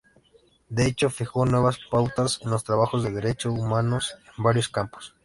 De hecho, fijó nuevas pautas en los trabajos de derechos humanos en varios campos.